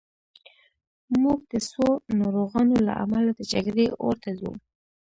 موږ د څو ناروغانو له امله د جګړې اور ته ځو